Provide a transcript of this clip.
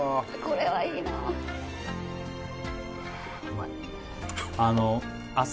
これはいいなああ